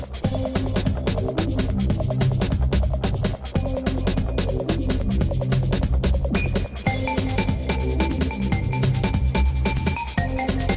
ขอจับผมไม่ให้เข้า